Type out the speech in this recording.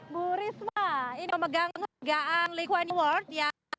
bu risma ini memegang penghargaan likuan u awards ya